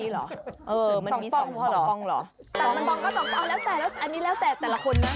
เออมันมี๒ปองเหรอปองก็๒ปองอันนี้แล้วแต่แต่ละคนนะ